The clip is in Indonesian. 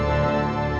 aku mau ke sekolah